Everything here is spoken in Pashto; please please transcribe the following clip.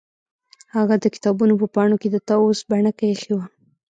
هغه د کتابونو په پاڼو کې د طاووس بڼکه ایښې وه